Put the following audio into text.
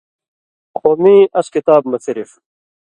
خو میں اس کتاب مہ صرف